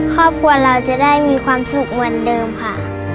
ครอบครัวเราจะได้มีความสุขเหมือนเดิมค่ะ